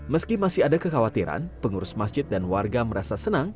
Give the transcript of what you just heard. meski masih ada kekhawatiran pengurus masjid dan warga merasa senang